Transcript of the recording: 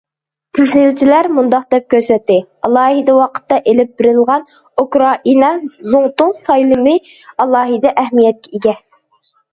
تەھلىلچىلەر مۇنداق دەپ كۆرسەتتى: ئالاھىدە ۋاقىتتا ئىلىپ بېرىلغان ئۇكرائىنا زۇڭتۇڭ سايلىمى ئالاھىدە ئەھمىيەتكە ئىگە.